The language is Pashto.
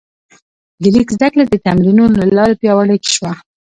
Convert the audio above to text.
د لیک زده کړه د تمرینونو له لارې پیاوړې شوه.